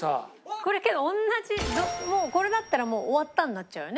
これけど同じこれだったらもう「終わった」になっちゃうよね